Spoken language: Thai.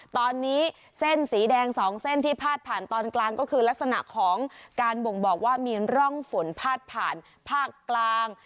ตอนนี้เส้นสีแดงสองเส้นที่พาดผ่านตอนกลางก็คือลักษณะของการบ่งบอกว่ามีร่องฝนพาดผ่านภาคกลาง